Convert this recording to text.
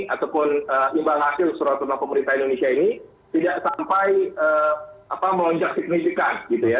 ataupun imbal hasil surat tentang pemerintah indonesia ini tidak sampai melonjak signifikan gitu ya